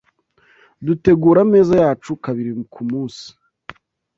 Dutegura ameza yacu kabiri ku munsi